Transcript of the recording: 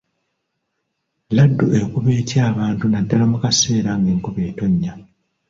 Laddu ekuba etya abantu naddala mu kaseera ng'ekuba ettonya.